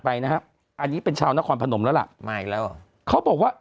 ไปนะฮะอันนี้เป็นชาวนครพนมแล้วล่ะมาอีกแล้วเหรอเขาบอกว่า